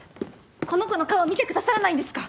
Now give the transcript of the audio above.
この子の顔を見てくださらないんですか？